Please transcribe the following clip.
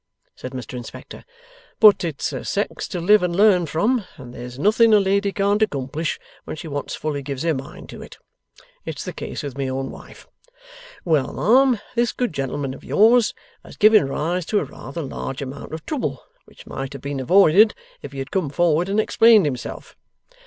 said Mr Inspector. 'But it's a sex to live and learn from, and there's nothing a lady can't accomplish when she once fully gives her mind to it. It's the case with my own wife. Well, ma'am, this good gentleman of yours has given rise to a rather large amount of trouble which might have been avoided if he had come forward and explained himself.